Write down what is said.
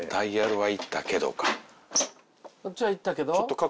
こっちはいったけど。